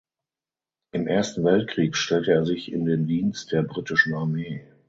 Im Ersten Weltkrieg stellte er sich in den Dienst der britischen Armee.